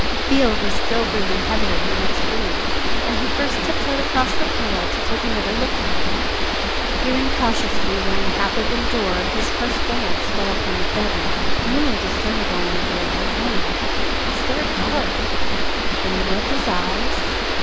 Field was still breathing heavily in the next room, and he first tip toed across the floor to take another look at him. Peering cautiously round the half opened door his first glance fell upon the bed now plainly discernible in the grey light of morning. He stared hard. Then he rubbed his eyes.